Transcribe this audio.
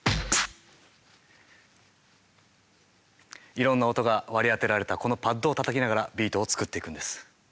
いろんな音が割り当てられたこのパッドをたたきながらビートを作っていくんです。